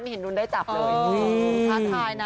เห็นรุ้นได้จับเลย